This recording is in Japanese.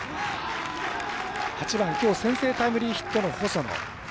８番、きょう先制タイムリーヒットの細野。